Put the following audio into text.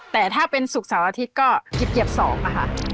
แต่ถ้าเป็นศุกร์เสาร์อาทิตย์ก็เหยียบ๒นะคะ